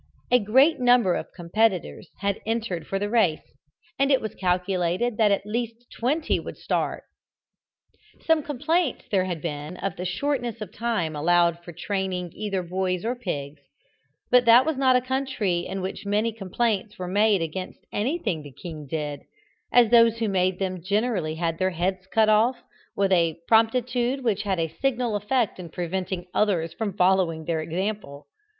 A great number of competitors had entered for the race, and it was calculated that at least twenty would start. Some complaints there had been of the shortness of time allowed for training either boys or pigs; but that was not a country in which many complaints were made against anything the king did, as those who made them generally had their heads cut off with a promptitude which had a signal effect in preventing others from following their example.